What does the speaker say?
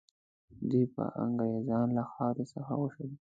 دوی به انګرېزان له خاورې څخه وشړي.